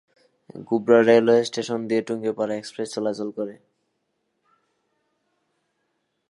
Gobra railway station দিয়ে Tungipara express চলাচল করে।